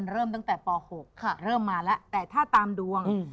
เริ่มมาแล้วแต่ถ้าตามดวง